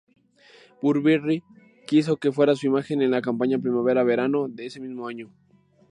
Burberry quiso que fuera su imagen en la campaña primavera-verano de ese mismo año.